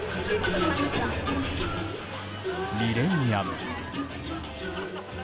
ミレニアム。